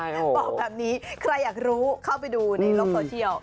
บอกแบบนี้ใครอยากรู้เข้าไปดูในโลกโซเชียล